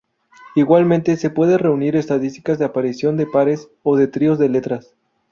Igualmente, se pueden reunir estadísticas de aparición de pares o tríos de letras.